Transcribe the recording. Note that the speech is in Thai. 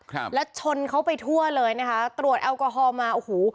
ครับแล้วชนเขาไปทั่วเลยนะคะตรวจแอลกอฮอล์มาโอ้โห